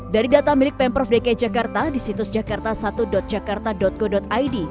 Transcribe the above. dari data milik pemprov dki jakarta di situs jakarta satu jakarta go id